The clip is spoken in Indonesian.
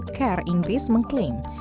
healthcare inggris mengklaim